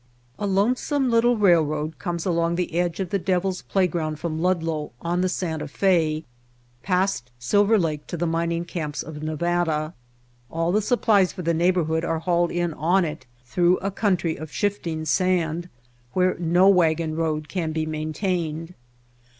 A lonesome little railroad comes along the edge of the Devil's Playground from Ludlow on the Santa Fe, past Silver Lake to the mining camps of Nevada. All the supplies for the neighborhood are hauled in on it through a coun try of shifting sand where no wagon road can be maintained.